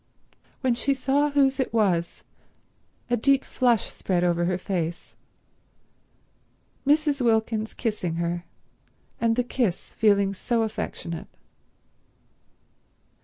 When she saw whose it was, a deep flush spread over her face. Mrs. Wilkins kissing her and the kiss feeling so affectionate.